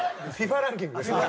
ＦＩＦＡランキングですね。